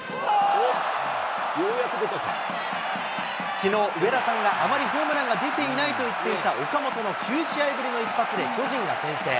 きのう、上田さんがあまりホームランが出ていないと言っていた岡本の９試合ぶりの一発で巨人が先制。